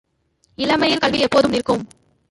இளமையில் கல்வி எப்போதும் நிற்கும்.